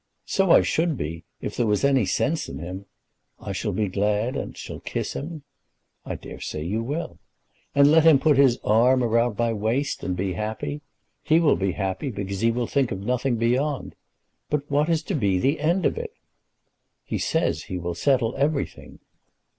"So I should be, if there was any sense in him. I shall be glad, and shall kiss him." "I dare say you will." "And let him put his arm round my waist and be happy. He will be happy because he will think of nothing beyond. But what is to be the end of it?" "He says that he will settle everything."